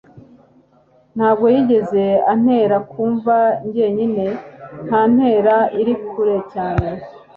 ntabwo yigeze antera kumva njyenyine, nta ntera iri kure cyane